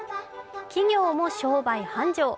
企業も商売繁盛。